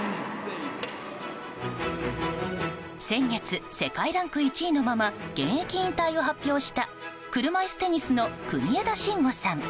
先月、世界ランク１位のまま現役引退を発表した車いすテニスの国枝慎吾さん。